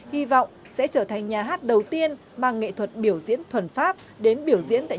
hy vọng sẽ trở thành nhà hát đầu tiên mang nghệ thuật biểu diễn thuần pháp đến biểu diễn tại